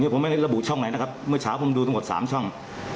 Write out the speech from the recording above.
ผมไม่ได้ระบุช่องไหนนะครับเมื่อเช้าผมดูทั้งหมด๓ช่อง